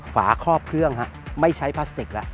ฝาคอบเครื่องไม่ใช้พลาสติกแล้ว